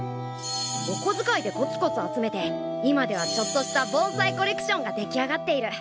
お小づかいでコツコツ集めて今ではちょっとした盆栽コレクションが出来上がっている。